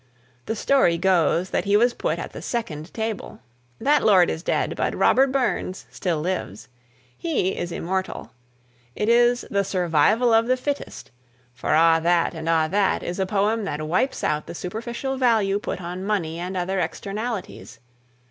The story goes that he was put at the second table. That lord is dead, but Robert Burns still lives. He is immortal. It is "the survival of the fittest" "For a' That and a' That" is a poem that wipes out the superficial value put on money and other externalities.